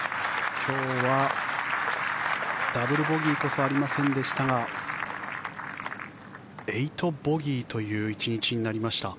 今日はダブルボギーこそありませんでしたが８ボギーという１日になりました。